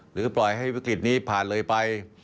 หรือปล่อยให้วิกฤตนี้ผ่านเลยไป